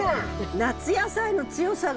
夏野菜の強さがある。